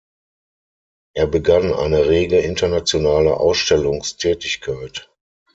Er begann eine rege internationale Ausstellungstätigkeit.